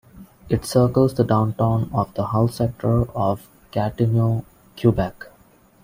It circles the downtown of the Hull sector, of Gatineau, Quebec.